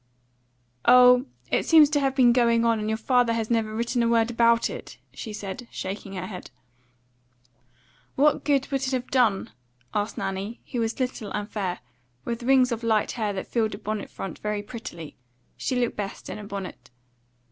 "Oh, it seems to have been going on, and your father has never written a word about it," she said, shaking her head. "What good would it have done?" asked Nanny, who was little and fair, with rings of light hair that filled a bonnet front very prettily; she looked best in a bonnet.